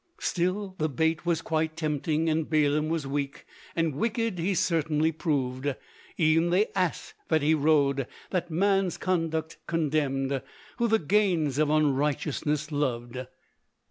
Still the bait was quite tempting, and Balaam was weak, And wicked he certainly proved; E'en the Ass that he rode, that man's conduct condemned, Who the gains of unrighteousness loved.